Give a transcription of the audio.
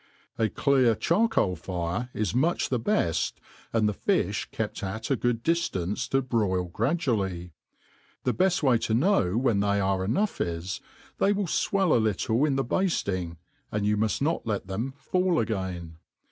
A cle^r charco«tl fire is muck the beft^ and the fiih kept at a gogd diflance to broil gradually : the beft way to know when they are enough is, they will fwell a little in the bailing, and ^you muft not let them fall again.